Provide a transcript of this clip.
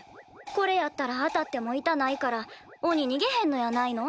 これやったら当たっても痛ないから鬼にげへんのやないの？